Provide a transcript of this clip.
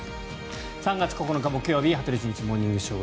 ３月９日、木曜日「羽鳥慎一モーニングショー」。